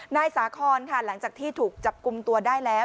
นายสาคอนค่ะหลังจากที่ถูกจับกลุ่มตัวได้แล้ว